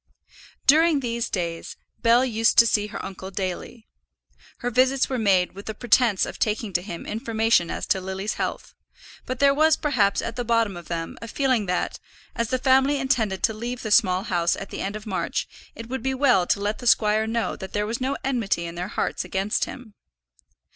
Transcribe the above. During these days, Bell used to see her uncle daily. Her visits were made with the pretence of taking to him information as to Lily's health; but there was perhaps at the bottom of them a feeling that, as the family intended to leave the Small House at the end of March, it would be well to let the squire know that there was no enmity in their hearts against him.